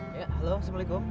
ya halo assalamualaikum